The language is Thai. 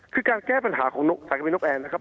คือการแก้ปัญหาของสังคมีนกแอนนะครับ